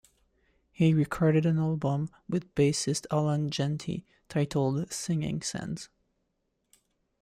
He recorded an album with bassist Alain Genty, titled "Singing Sands".